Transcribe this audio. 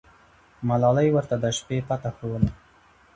ملالۍ ورته د شپې پته ښووله.